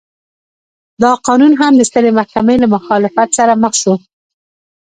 دا قانون هم د سترې محکمې له مخالفت سره مخ شو.